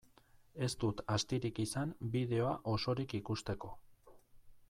Ez dut astirik izan bideoa osorik ikusteko.